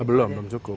belum belum cukup